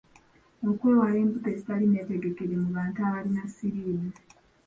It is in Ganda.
Okwewala embuto ezitali nneetegekere mu bantu abalina siriimu.